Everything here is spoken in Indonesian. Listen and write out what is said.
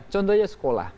contoh saja sekolah